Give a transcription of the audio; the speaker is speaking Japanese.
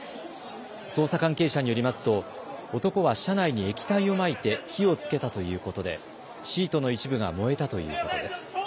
捜査関係者によりますと男は車内に液体をまいて火をつけたということでシートの一部が燃えたということです。